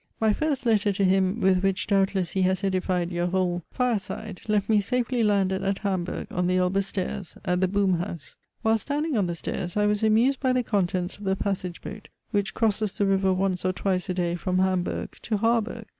My first letter to him, with which doubtless he has edified your whole fireside, left me safely landed at Hamburg on the Elbe Stairs, at the Boom House. While standing on the stairs, I was amused by the contents of the passage boat which crosses the river once or twice a day from Hamburg to Haarburg.